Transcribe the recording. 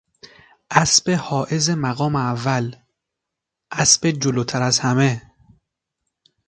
اسب حائز مقام اول، اسب جلوتر از همه